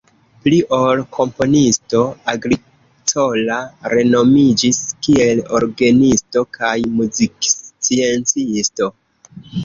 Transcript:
Pli ol komponisto Agricola renomiĝis kiel orgenisto kaj muziksciencisto.